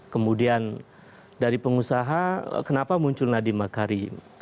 kemudian dari pengusaha kenapa muncul nadiem makarim